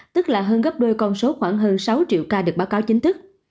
tức là hơn gấp đôi con số khoảng hơn sáu triệu ca được báo cáo chính thức